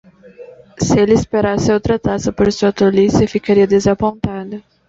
Se ele esperasse outra taça por sua tolice, ficaria desapontado!